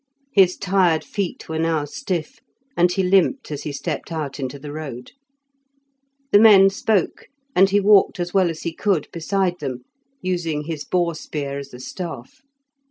His tired feet were now stiff, and he limped as he stepped out into the road. The men spoke, and he walked as well as he could beside them, using his boar spear as a staff.